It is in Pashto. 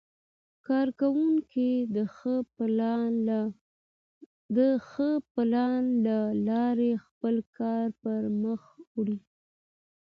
کارکوونکي د ښه پلان له لارې خپل کار پرمخ وړي